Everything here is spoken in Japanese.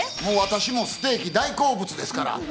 もう私もステーキ大好物ですから。